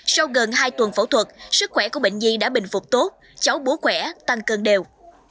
sau gần hai tuần phẫu thuật sức khỏe của bệnh nhi đã bình phục tốt cháu bố khỏe tăng cân đều